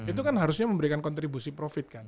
itu kan harusnya memberikan kontribusi profit kan